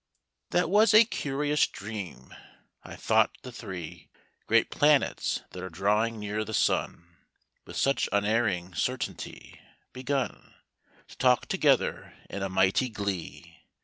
That was a curious dream; I thought the three Great planets that are drawing near the sun With such unerring certainty, begun To talk together in a mighty glee.